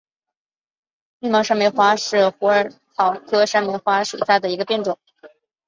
密毛山梅花为虎耳草科山梅花属下的一个变种。